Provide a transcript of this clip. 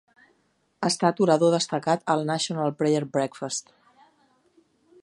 Ha estat orador destacat al National Prayer Breakfast.